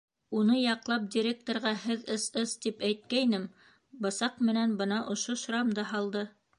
Уны яҡлап директорға, Һеҙ СС, тип әйткәйнем, бысаҡ менән бына ошо шрамды һалды.